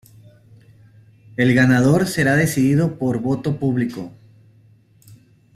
El ganador será decidido por voto público.